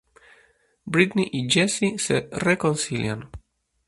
Britney y Jesse se reconcilian.